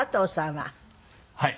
はい。